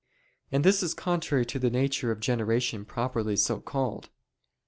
And this is contrary to the nature of generation properly so called.